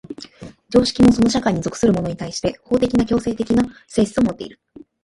常識もその社会に属する者に対して法的な強制的な性質をもっている。